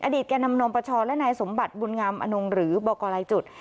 แก่นำนมปชและนายสมบัติบุญงามอนงหรือบอกกรลายจุด